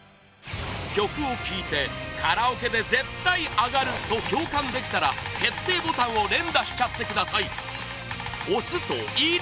曲を聴いてカラオケで絶対アガる！と共感できたら決定ボタンを連打しちゃってください押すといいね